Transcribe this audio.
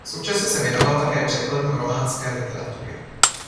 Současně se věnoval také překladům románské literatury.